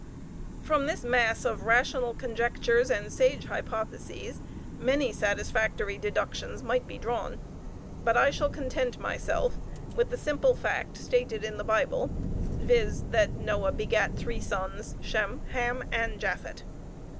From this mass of rational conjectures and sage hypotheses many satisfactory deductions might be drawn; but I shall content myself with the simple fact stated in the Bible viz., that Noah begat three sons, Shem, Ham, and Japhet.